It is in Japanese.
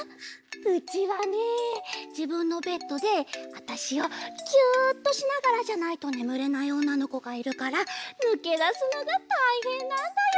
うちはねじぶんのベッドであたしをギュっとしながらじゃないとねむれないおんなのこがいるからぬけだすのがたいへんなんだよ。